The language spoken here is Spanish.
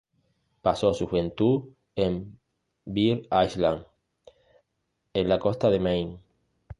Pasó su juventud en Bear Island, en la costa de Maine.